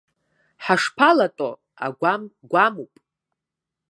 Ҳашԥалатәо, агәам гәамуп.